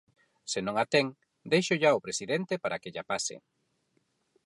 Se non a ten, déixolla ao presidente para que lla pase.